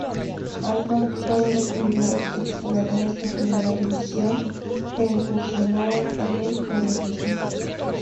Albert fue de los primeros ex-jugadores de Primera División que incursionaron en el periodismo.